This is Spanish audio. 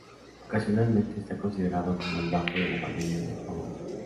Ocasionalmente está considerado como el bajo de la familia del oboe.